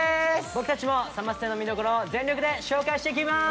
僕たちもサマステの見どころを全力で紹介していきます！